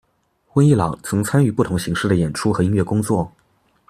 温逸朗曾参与不同形式的演出和音乐工作。